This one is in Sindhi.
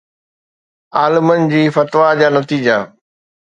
عالمن جي فتويٰ جا نتيجا